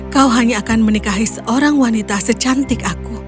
kau hanya akan menikahi seorang wanita secantik aku